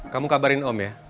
kamu kabarin om ya